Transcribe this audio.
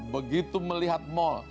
begitu melihat mall